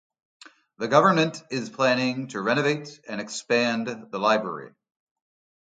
The government is planning to renovate and expand the library.